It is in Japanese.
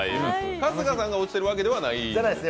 春日さんが落ちているわけじゃないんですね？